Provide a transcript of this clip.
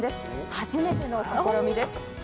初めての試みです。